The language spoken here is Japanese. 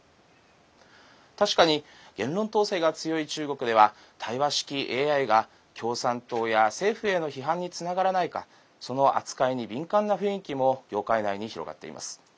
確かに言論統制が強い中国では対話式ＡＩが、共産党や政府への批判につながらないかその扱いに敏感な雰囲気も業界内に広がっています。